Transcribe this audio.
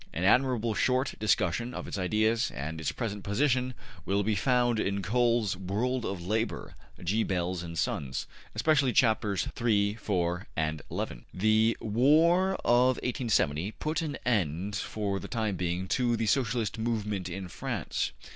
An admirable short discussion of its ideas and its present position will be found in Cole's ``World of Labour'' (G. Bell & Sons), especially chapters iii, iv, and xi. The war of 1870 put an end for the time being to the Socialist Movement in France.